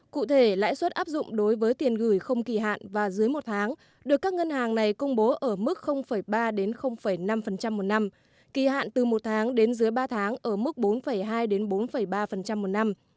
cụ thể lãi suất áp dụng đối với tiền gửi không kỳ hạn và dưới một tháng được các ngân hàng này công bố ở mức ba năm một năm kỳ hạn từ một tháng đến dưới ba tháng ở mức bốn hai bốn ba một năm